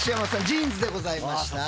ジーンズでございました。